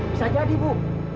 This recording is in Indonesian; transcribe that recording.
bisa jadi bu